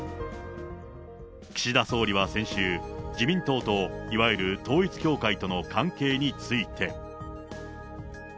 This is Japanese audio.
岸田総理は先週、自民党といわゆる統一教会の関係について。